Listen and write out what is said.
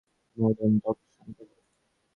Monster dog, শান্ত হও!